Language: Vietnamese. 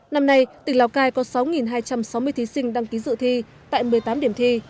năm nay tỉnh lào cai có sáu hai trăm sáu mươi thí sinh đăng ký dự thi tại một mươi tám điểm thi